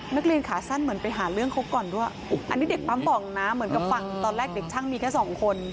นักเรียนขาสั้นเหมือนไปหาเรื่องเขาก่อนด้วยอันนี้เด็กปั๊มบอกนะเหมือนกับฟังตอนแรกเด็กช่างมีแค่สองคน